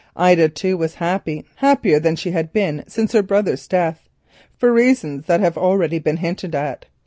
Ida, too, was happy, happier than she had been since her brother's death, for reasons that have already been hinted at.